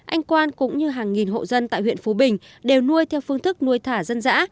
anh quan cũng như hàng nghìn hộ dân tại huyện phú bình đều nuôi theo phương thức nuôi thả dân dã